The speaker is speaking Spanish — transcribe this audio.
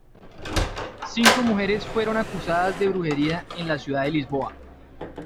Cinco mujeres fueron acusadas de brujería en la ciudad de Lisboa.